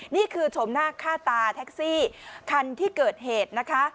ชมหน้าค่าตาแท็กซี่คันที่เกิดเหตุนะคะ